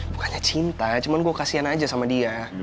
bukannya cinta cuman gue kasihan aja sama dia